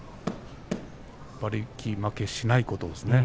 馬力負けしないことですね。